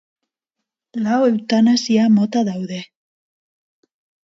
Lau eutanasia mota daude.